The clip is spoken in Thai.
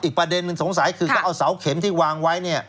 ประเด็นหนึ่งสงสัยคือเขาเอาเสาเข็มที่วางไว้เนี่ย